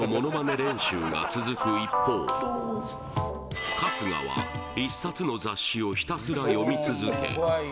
練習が続く一方春日は１冊の雑誌をひたすら読み続け